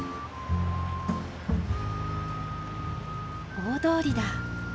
大通りだ。